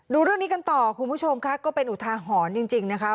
ดูเรื่องนี้กันต่อคุณผู้ชมค่ะก็เป็นอุทาหรณ์จริงนะคะ